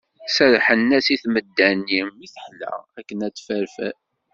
Serrḥen-as i tmedda-nni mi teḥla, akken ad tefferfer.